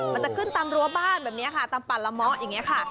มันจะขึ้นตามรั้วบ้านแบบนี้ค่ะตามป่าละเมาะอย่างนี้ค่ะ